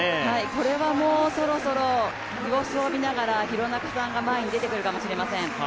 これはもうそろそろ様子を見ながら廣中さんが前に出てくるかもしれません。